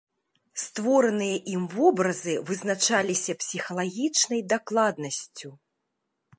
Створаныя ім вобразы вызначаліся псіхалагічнай дакладнасцю.